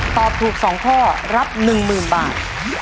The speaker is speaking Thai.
ตอบถูก๒ข้อรับ๑๐๐๐บาท